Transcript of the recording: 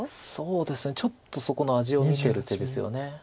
ちょっとそこの味を見てる手ですよね。